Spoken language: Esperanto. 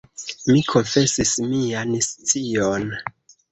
Mi konfesis mian scion.